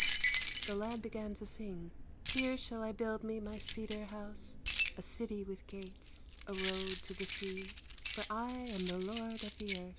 The lad began to sing :" Here shall I build me my cedar house, A city with gates, a road to the sea — For I am the lord of the Earth